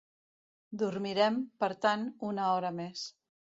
Dormirem, per tant, una hora més.